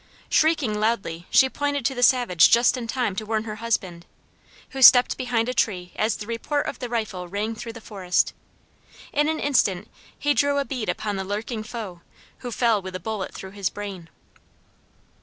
Shrieking loudly, she pointed to the savage just in time to warn her husband, who stepped behind a tree as the report of the rifle rang through the forest. In an instant he drew a bead upon the lurking foe, who fell with a bullet through his brain.